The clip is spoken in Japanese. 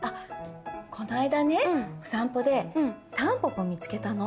こないだねお散歩でタンポポ見つけたの。